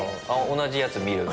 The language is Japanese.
同じやつ見るのですか？